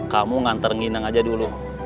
kamu nganter ngineng aja dulu